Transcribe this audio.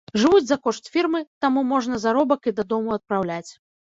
Жывуць за кошт фірмы, таму можна заробак і дадому адпраўляць.